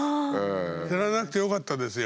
知らなくてよかったですよ。